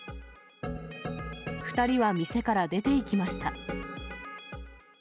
２人は店から出ていきました。